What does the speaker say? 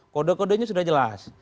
kode kodenya sudah jelas